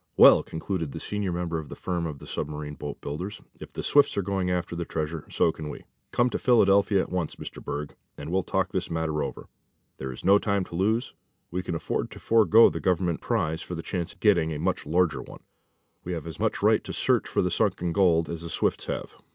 "Well," concluded the senior member of the firm of submarine boat builders, "if the Swifts are going after treasure, so can we. Come to Philadelphia at once, Mr. Berg, and we'll talk this matter over. There is no time to lose. We can afford to forego the Government prize for the chance of getting a much larger one. We have as much right to search for the sunken gold as the Swifts have.